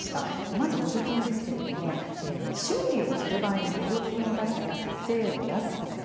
まず補助金ですけれども修理をする場合に補助金を出したりあと税を安くする。